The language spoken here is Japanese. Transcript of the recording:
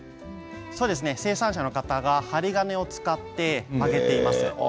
生産者の方が針金を使って曲げています。